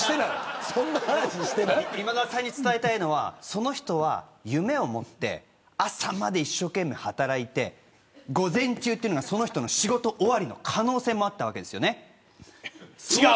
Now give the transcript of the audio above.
今田さんに伝えたいのはその人は夢を持って朝まで一生懸命働いて午前中はその人の仕事終わりの可能性もあったんですよね。